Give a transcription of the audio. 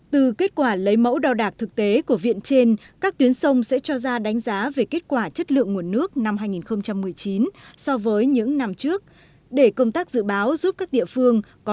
từ kết quả lấy mẫu đào đạc thực tế của viện trên các tuyến sông sẽ cho ra đánh giá về kết quả chất lượng nguồn nước năm hai nghìn một mươi chín so với những năm trước